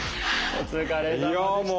お疲れさまでした。